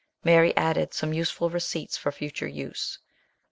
Mary added some useful receipts for future use.